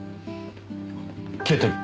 消えてる！